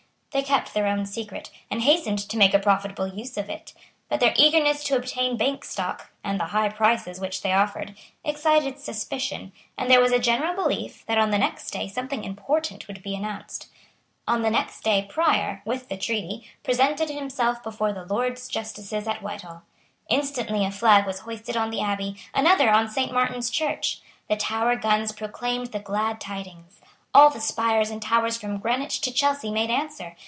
They kept their own secret, and hastened to make a profitable use of it; but their eagerness to obtain Bank stock, and the high prices which they offered, excited suspicion; and there was a general belief that on the next day something important would be announced. On the next day Prior, with the treaty, presented himself before the Lords justices at Whitehall. Instantly a flag was hoisted on the Abbey, another on Saint Martin's Church. The Tower guns proclaimed the glad tidings. All the spires and towers from Greenwich to Chelsea made answer.